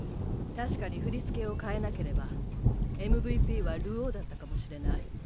確かに振り付けを変えなければＭＶＰは流鶯だったかもしれない。